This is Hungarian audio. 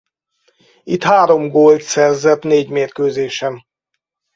Itt három gólt szerzett négy mérkőzésen.